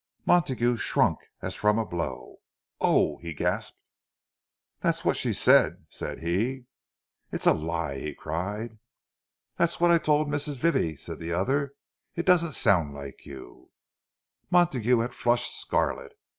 Montague shrunk as from a blow. "Oh!" he gasped. "That's what she said," said he. "It's a lie!" he cried. "That's what I told Mrs. Vivie," said the other; "it doesn't sound like you—" Montague had flushed scarlet.